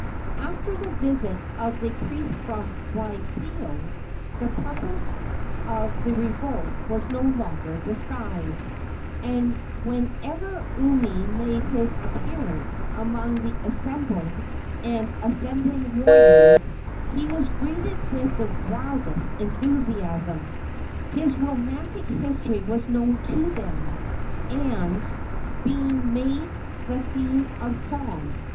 After the visit of the priests from Waipio the purpose of the revolt was no longer disguised, and whenever Umi made his appearance among the assembled and assembling warriors he was greeted with the wildest enthusiasm. His romantic history was known to them, and had been made the theme of song.